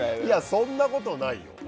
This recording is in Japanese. そんなことないよ。